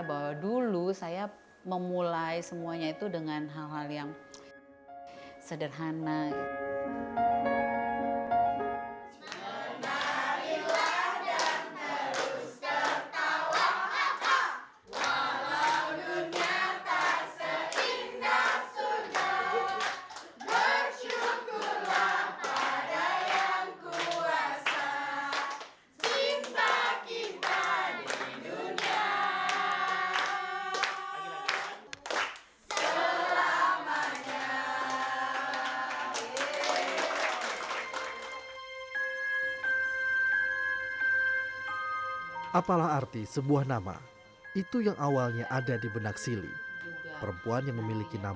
bahwa dulu saya memulai semuanya itu dengan hal hal yang baik